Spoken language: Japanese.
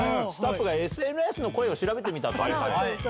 スタッフがＳＮＳの声を調べてみたと。